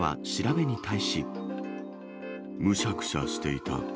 むしゃくしゃしていた。